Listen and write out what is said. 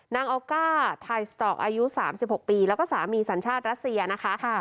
นางออก้าไทสตอกอายุ๓๖ปีแล้วก็สามีสัญชาติรัสเซียนะคะ